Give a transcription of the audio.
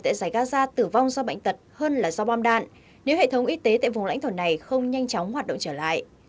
tại giải gaza tử vong do bệnh tật hơn là do bom đạn nếu hệ thống y tế tại vùng lãnh thổ này không nhanh chóng hoạt động trở lại